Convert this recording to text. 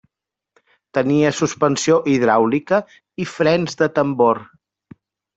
Tenia suspensió hidràulica i frens de tambor.